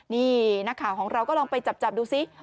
นี่นักข่าวของเราก็ลองไปจับดูซิ